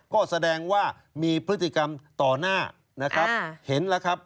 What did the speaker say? ก็แสดงว่ามีพฤติกรรมต่อหน้านะครับ